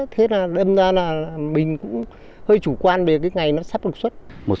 thế nên là mình cũng hơi chủ quan về cái ngày nó sắp được xuất